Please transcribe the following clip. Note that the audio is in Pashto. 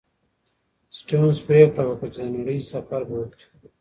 سټيونز پرېکړه وکړه چې د نړۍ سفر به وکړي.